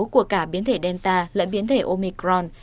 của cả biến thể delta lẫn biến thể omicron